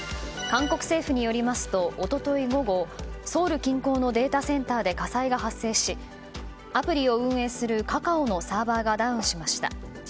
韓国政府によりますと一昨日午後ソウル近郊のデータセンターで火災が発生しアプリを運営するカカオのサーバーがダウンしました。